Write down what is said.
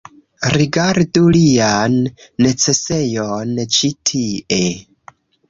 Rigardu lian necesejon ĉi tie